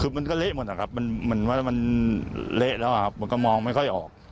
คือมันก็เละหมดนะครับมันเหมือนว่ามันเละแล้วครับมันก็มองไม่ค่อยออก